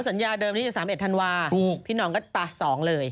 เพราะสัญญาเดิมนี้จะ๓๑ธันวาคมพี่น้องก็ปะ๒เลย